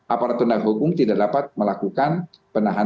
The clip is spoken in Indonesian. aparat penegak hukum tidak dapat melakukan penahanan